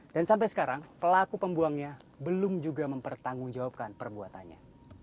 dan sampai sekarang pelaku pembuangnya belum juga mempertanggung jawabkan perbuatannya